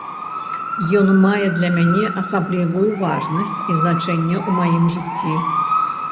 Ён мае для мяне асаблівую важнасць і значэнне ў маім жыцці.